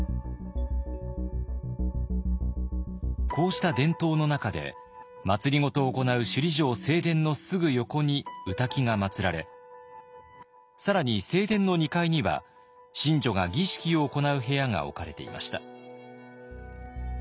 こうした伝統の中で政を行う首里城正殿のすぐ横に御嶽がまつられ更に正殿の２階には神女が儀式を行う部屋が置かれていました。